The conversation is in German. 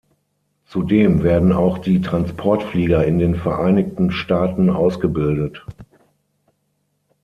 Zudem werden auch die Transportflieger in den Vereinigten Staaten ausgebildet.